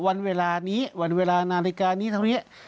วันเวลานี้วันเวลานาฬิกานี้ทั้งนี้